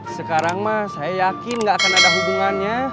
sekarang mas saya yakin gak akan ada hubungannya